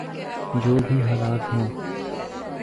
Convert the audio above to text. جو بھی حالات ہوں۔